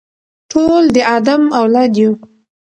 ټول د آدم اولاد یو.